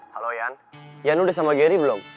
halo yan yan udah sama gary belum